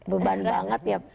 beban banget ya